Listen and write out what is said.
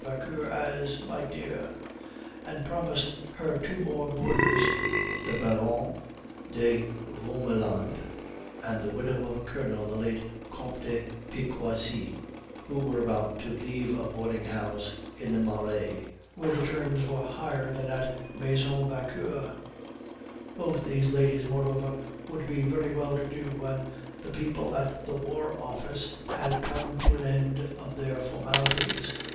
Vauquer as "my dear," and promised her two more boarders, the Baronne de Vaumerland and the widow of a colonel, the late Comte de Picquoisie, who were about to leave a boarding house in the Marais, where the terms were higher than at the Maison Vauquer. Both these ladies, moreover, would be very well to do when the people at the War Office had come to an end of their formalities.